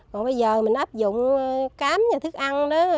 còn bây giờ mình áp dụng cám nhà thức ăn